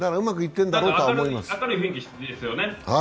明るい雰囲気ですよね。